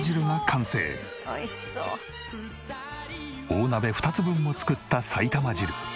大鍋２つ分も作った埼玉汁。